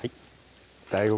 ＤＡＩＧＯ